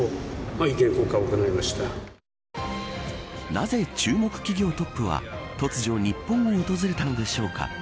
なぜ、注目企業トップは突如日本を訪れたのでしょうか。